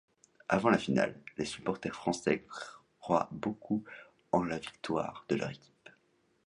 Avant la finale, les supporteurs français croient beaucoup en la victoire de leur équipe.